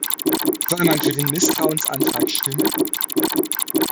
Soll man für den Misstrauensantrag stimmen?